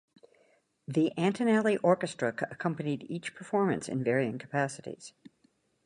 The Antonelli Orchestra accompanied each performance in varying capacities.